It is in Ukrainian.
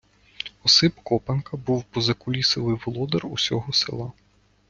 Осип Копанка був позакулісовий володар усього села.